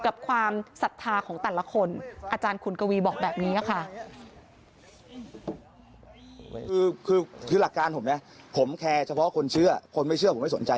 บอกแบบนี้แหละค่ะ